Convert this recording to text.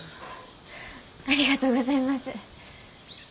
ありがとうございます。